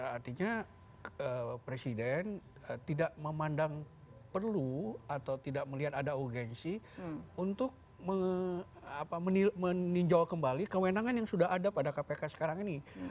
artinya presiden tidak memandang perlu atau tidak melihat ada urgensi untuk meninjau kembali kewenangan yang sudah ada pada kpk sekarang ini